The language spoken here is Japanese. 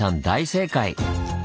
大正解！